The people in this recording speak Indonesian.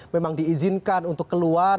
memang diizinkan untuk keluar